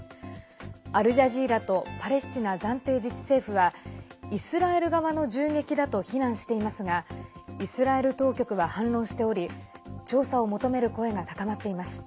アルジャジーラとパレスチナ暫定自治政府はイスラエル側の銃撃だと非難していますがイスラエル当局は反論しており調査を求める声が高まっています。